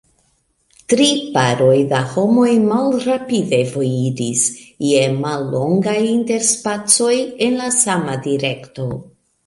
Tri paroj da homoj malrapide vojiris, je mallongaj interspacoj, en la sama direkto.